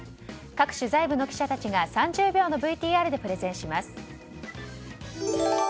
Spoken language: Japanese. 各取材部の記者たちが３０秒のＶＴＲでプレゼンします。